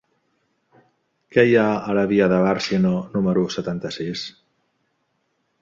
Què hi ha a la via de Bàrcino número setanta-sis?